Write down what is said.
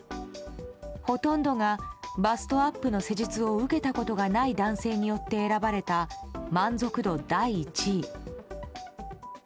ほとんどがバストアップの施術を受けたことがない男性によって選ばれた満足度第１位。